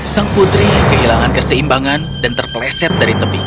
sang putri kehilangan keseimbangan dan terpleset dari tepi